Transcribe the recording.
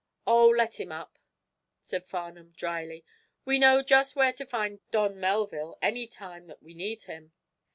"Oh, let him up," said Farnum, dryly. "We know just where to find Don Melville any time that we need him."